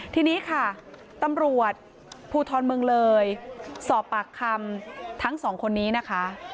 ทีนี้ค่ะตำรวจภูทรเมืองเลยสอบปากคำทั้งสองคนนี้นะคะ